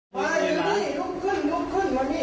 ว่าอยู่ดีรุกขึ้นรุกขึ้นมานี้